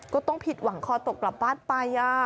ก็ต้องผิดหวังคอตกกลับบ้านไป